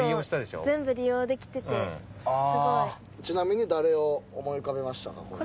ちなみに誰を思い浮かべましたか？